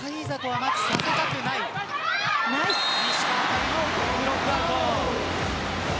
石川のブロックアウト。